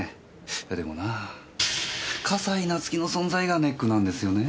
でもなぁ笠井夏生の存在がネックなんですよねぇ。